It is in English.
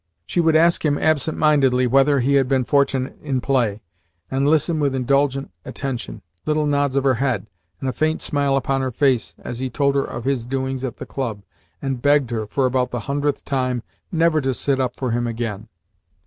She would ask him absent mindedly whether he had been fortunate in play, and listen with indulgent attention, little nods of her head, and a faint smile upon her face as he told her of his doings at the club and begged her, for about the hundredth time, never to sit up for him again.